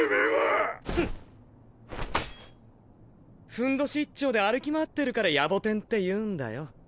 ふんどし一丁で歩き回ってるから野暮天って言うんだよ。